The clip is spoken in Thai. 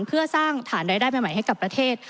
เพื่อสร้างฐานรายได้ใหม่ให้กับประเทศ